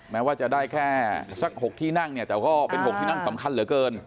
แม้ว่าจะได้แค่สัก๖ที่นั่งเนี่ยแต่ก็เป็น๖ที่นั่งสำคัญเหลือเกิน